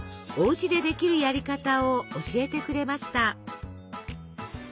おうちでできるやり方を教えてくれました。